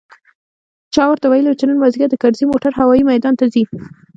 چا ورته ويلي و چې نن مازديګر د کرزي موټر هوايي ميدان ته ځي.